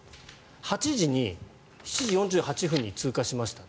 ８時に７時４８分に通過しました。